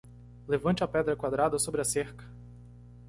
Levante a pedra quadrada sobre a cerca.